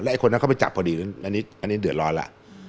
ไอ้คนนั้นเข้าไปจับพอดีอันนี้เดือดร้อนแล้ว